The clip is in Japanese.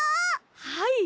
はい。